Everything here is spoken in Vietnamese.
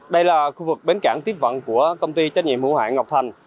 đây là khu vực bến cảng tiếp vận của công ty trách nhiệm hữu hạn ngọc thành